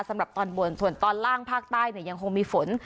สำหรับตอนบนส่วนตอนล่างภาคใต้เนี่ยยังคงมีฝน